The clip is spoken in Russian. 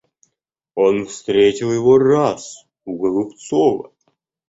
Он встретил его раз у Голубцова.